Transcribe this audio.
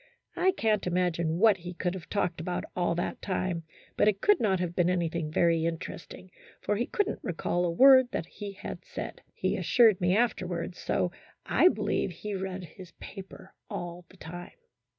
I can't imagine what he could have talked about all that time, but it could not have been anything very interesting, for he could n't recall a word that he had said, he assured me afterwards, so I believe he read his paper all the time.